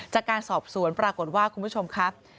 จากการสอบสวนปรากฏว่าคุณผู้ชมครับ